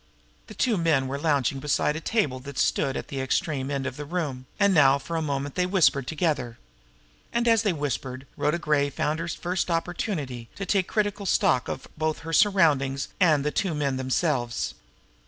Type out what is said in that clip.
The two men were lounging beside a table that stood at the extreme end of the room, and now for a moment they whispered together. And, as they whispered, Rhoda Gray found her first opportunity to take critical stock both of her surroundings and of the two men themselves.